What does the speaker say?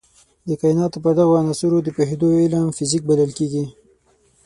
د کایناتو پر دغو عناصرو د پوهېدو علم فزیک بلل کېږي.